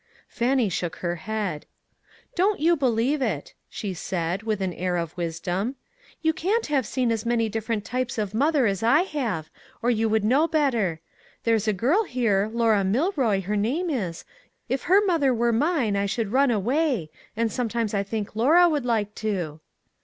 Fannie shook her head. " Don't }'ou believe it," she said, with an air of wisdom. " You can't have seen as many different types of mother as I have, or you would know better. There's a girl here, Laura Milroy, her name is, if her mother were mine I should run away, and sometimes I think Laura, would like to."